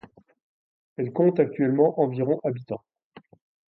Elle compte actuellement environ habitants.